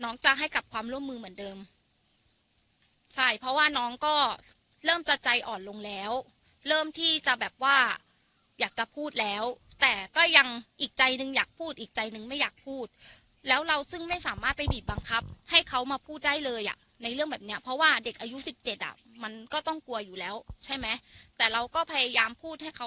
จะให้กับความร่วมมือเหมือนเดิมใช่เพราะว่าน้องก็เริ่มจะใจอ่อนลงแล้วเริ่มที่จะแบบว่าอยากจะพูดแล้วแต่ก็ยังอีกใจหนึ่งอยากพูดอีกใจหนึ่งไม่อยากพูดแล้วเราซึ่งไม่สามารถไปบีบบังคับให้เขามาพูดได้เลยอ่ะในเรื่องแบบเนี้ยเพราะว่าเด็กอายุสิบเจ็ดอ่ะมันก็ต้องกลัวอยู่แล้วใช่ไหมแต่เราก็พยายามพูดให้เขา